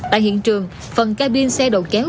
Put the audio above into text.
tại hiện trường phần cabin xe đầu kéo